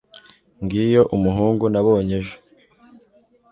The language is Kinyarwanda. ngiyo umuhungu nabonye ejo